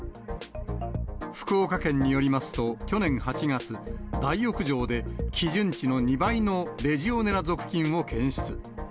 福岡県によりますと、去年８月、大浴場で基準値の２倍のレジオネラ属菌を検出。